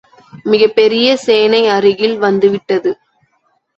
மிகப் பெரிய சேனை அருகில் வந்து விட்டது.